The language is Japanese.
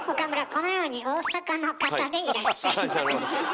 このように大阪の方でいらっしゃいます。